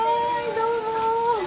どうも。